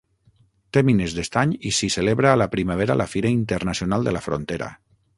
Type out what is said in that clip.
Té mines d'estany i s'hi celebra a la primavera la fira Internacional de la Frontera.